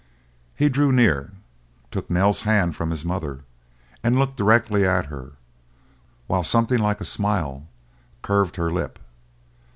He drew near, took Nell's hand from his mother, and looked directly at her, while something like a smile curved her lip.